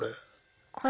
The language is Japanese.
これ。